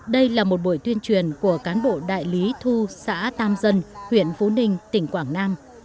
đây là một buổi tuyên truyền của cán bộ đại lý thu xã tam dân huyện phú ninh tỉnh quảng nam